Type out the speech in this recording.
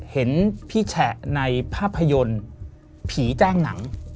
เห็นพี่แฉะในภาพยนตร์ผีแจ้งหนัง